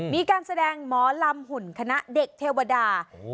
มีการแสดงหมอลำหุ่นคณะเด็กเทวดา